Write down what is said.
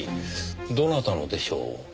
どなたのでしょう？